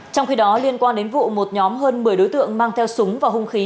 trong khi đó liên quan đến vụ một nhóm hơn một mươi đối tượng mang theo súng và hung khí